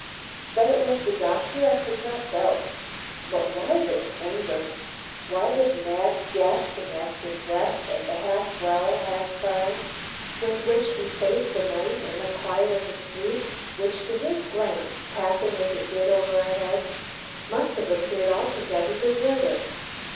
That it was the doctor I could not doubt. But why this anger; why this mad gasping after breath and the half growl, half cry, with which he faced the night and the quiet of a street which to his glance, passing as it did over our heads, must have appeared altogether deserted?